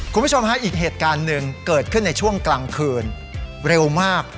คุณผู้ชมฮะอีกเหตุการณ์หนึ่งเกิดขึ้นในช่วงกลางคืนเร็วมาก